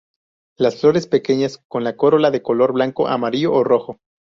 Las flores pequeñas con la corola de color blanco, amarillo o rojo.